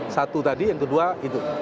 satu tadi yang kedua itu